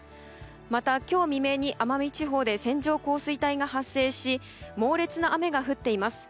また、今日未明に奄美地方で線状降水帯が発生し猛烈な雨が降っています。